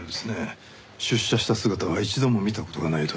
出社した姿は一度も見た事がないと。